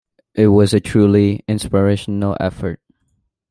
It was a truly inspirational effort.